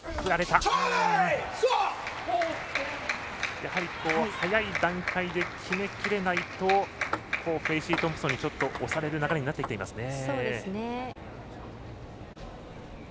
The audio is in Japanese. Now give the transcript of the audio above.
やはり、早い段階で決めきれないとフェイシートンプソンにちょっと押される流れになってきますね。